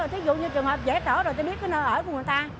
ví dụ như trường hợp giải tỏa là biết nơi ở của người ta